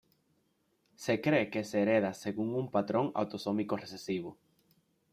Se cree que se hereda según un patrón autosómico recesivo.